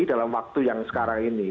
dalam waktu yang sekarang ini